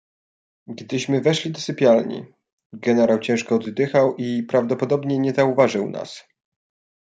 "Gdyśmy weszli do sypialni, generał ciężko oddychał i prawdopodobnie nie zauważył nas."